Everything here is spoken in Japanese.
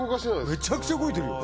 めちゃくちゃ動いてるよ！